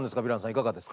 いかがですか？